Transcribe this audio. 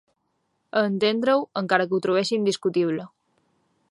A entendre-ho, encara que ho trobéssim discutible.